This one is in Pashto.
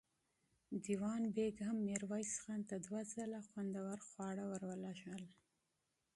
دېوان بېګ هم ميرويس خان ته دوه ځله خوندور خواړه ور لېږل.